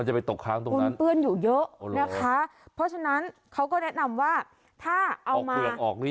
นะคะเพราะฉะนั้นเขาก็แนะนำว่าถ้าเอามา